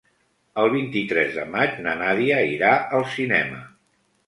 El vint-i-tres de maig na Nàdia irà al cinema.